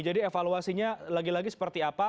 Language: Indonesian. jadi evaluasinya lagi lagi seperti apa